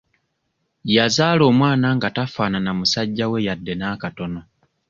Yazaala omwana nga tafaanana musajja we yadde n'akatono.